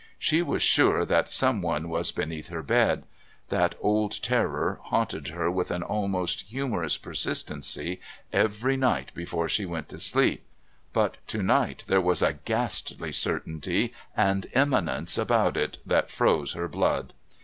She was sure that someone was beneath her bed. That old terror haunted her with an almost humorous persistency every night before she went to sleep, but to night there was a ghastly certainty and imminence about it that froze her blood.